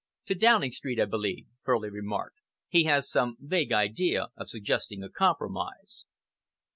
"To Downing Street, I believe," Furley remarked. "He has some vague idea of suggesting a compromise."